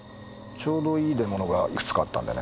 ちょうどいい出物がいくつかあったんでね。